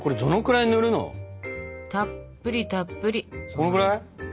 このぐらい？